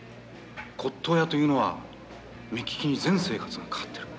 骨とう屋というのは目利きに全生活がかかってる。